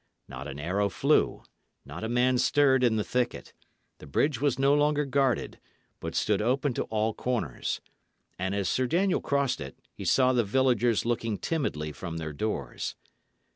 Not an arrow flew, not a man stirred in the thicket; the bridge was no longer guarded, but stood open to all corners; and as Sir Daniel crossed it, he saw the villagers looking timidly from their doors.